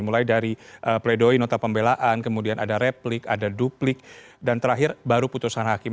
mulai dari pledoi nota pembelaan kemudian ada replik ada duplik dan terakhir baru putusan hakim